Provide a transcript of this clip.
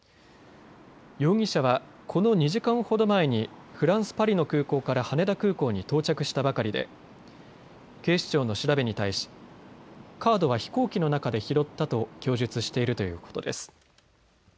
容疑者はこの２時間ほど前にフランス・パリの空港から羽田空港に到着したばかりで警視庁の調べに対しカードは飛行機の中で拾ったと供述しているということです。